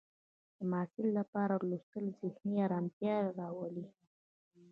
د محصل لپاره لوستل ذهني ارامتیا راولي.